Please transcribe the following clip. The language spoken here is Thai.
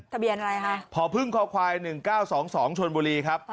ทะเบียนอะไรคะพพึ่งคควาย๑๙๒๒ชนบุรีครับ